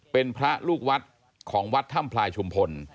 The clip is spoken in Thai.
เป็นพระลูกวัดของวัดถ้ำพลายชุมพล